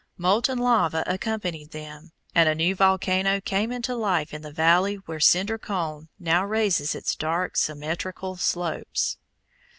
Molten lava accompanied them, and a new volcano came into life in the valley where Cinder Cone now raises its dark, symmetrical slopes.